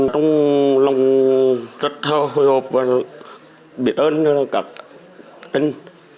trong lòng rất hồi hộp và biết ơn các anh